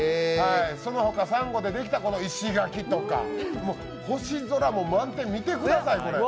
そのほか、さんごでできた石垣とか星空も満天、見てください、これ。